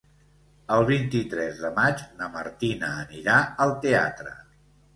El vint-i-tres de maig na Martina anirà al teatre.